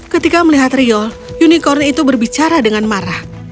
ketika melihat riol unicorn itu berbicara dengan marah